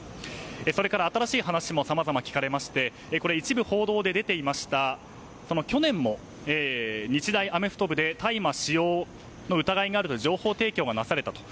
それから新しい話もさまざま聞かれましてこれは一部報道で出ていた去年も日大アメフト部で大麻使用の疑いがあるという情報提供がなされたと。